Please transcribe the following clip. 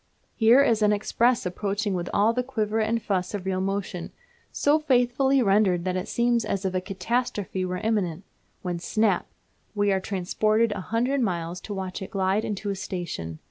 Here is an express approaching with all the quiver and fuss of real motion, so faithfully rendered that it seems as if a catastrophe were imminent; when, snap! we are transported a hundred miles to watch it glide into a station.